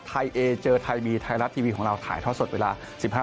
เอเจอไทยมีไทยรัฐทีวีของเราถ่ายทอดสดเวลา๑๕